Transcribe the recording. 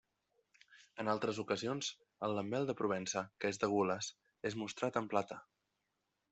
En altres ocasions, el lambel de Provença, que és de gules, és mostrat en plata.